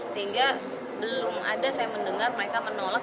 sehingga belum ada saya mendengar mereka menolak